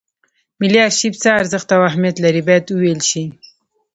ملي ارشیف څه ارزښت او اهمیت لري باید وویل شي.